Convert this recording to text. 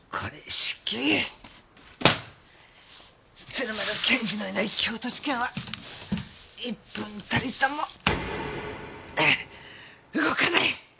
鶴丸検事のいない京都地検は１分たりとも動かない！